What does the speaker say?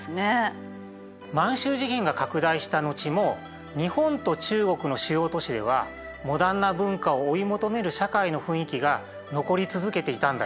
満洲事変が拡大した後も日本と中国の主要都市ではモダンな文化を追い求める社会の雰囲気が残り続けていたんだよ。